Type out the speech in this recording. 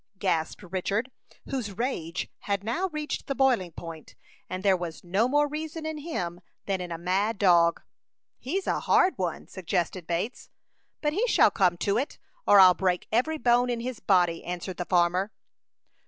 gasped Richard, whose rage had now reached the boiling point, and there was no more reason in him than in a mad dog. "He's a hard one," suggested Bates. "But he shall come to it, or I'll break every bone in his body," answered the farmer.